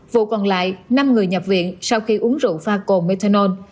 vụ còn lại năm người nhập viện sau khi uống rượu pha cồn methanol